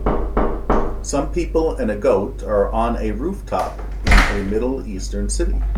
Some people and a goat are on a rooftop in a middle eastern city.